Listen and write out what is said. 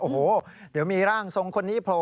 โอ้โหเดี๋ยวมีร่างทรงคนนี้โผล่